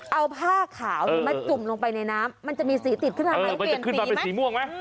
เอาผ้าขาวมาจุ่มลงไปในน้ำมันจะมีสีติดขึ้นมาไหมเปลี่ยนสีไหมสีม่วงไหม